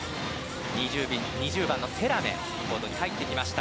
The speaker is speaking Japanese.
２０番のセラメコートに入ってきました。